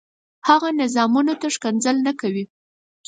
هغه نظامونو ته ښکنځل نه کوي.